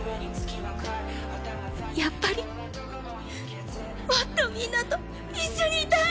やっぱりもっとみんなと一緒にいたい！